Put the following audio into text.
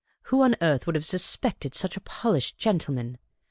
Who on earth could have suspected such a polished gentleman